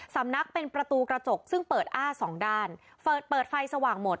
สำนักเป็นประตูกระจกซึ่งเปิดอ้าสองด้านเปิดเปิดไฟสว่างหมด